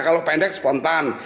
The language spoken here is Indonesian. kalau pendek spontan